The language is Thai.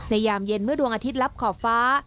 ยามเย็นเมื่อดวงอาทิตย์ลับขอบฟ้า